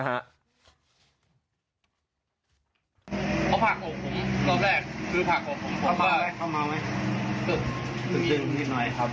เอาผักผมครับแรกคือผักผมว่าเข้ามาไหมนิดน้อยครับ